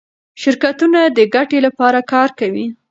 شرکتونه د ګټې لپاره کار کوي.